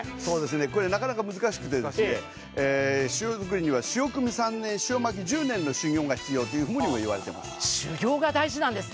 これ、なかなか難しくて塩くみ３年、塩まき１０年の修業が必要だと言われているんです。